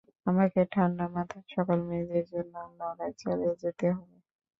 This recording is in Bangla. আমাকে ঠান্ডা মাথায় সকল মেয়েদের জন্য লড়াই চালিয়ে যেতে হবে।